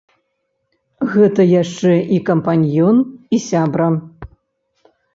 Гэта яшчэ і кампаньён, і сябра.